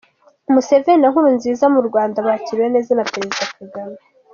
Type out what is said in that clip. Museveni na nkurunziza murwanda bakiriwe neza na perezida kagame